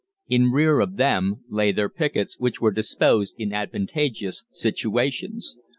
In rear of them lay their pickets, which were disposed in advantageous situations.